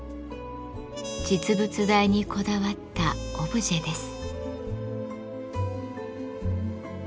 実物大にこだわったオブジェです。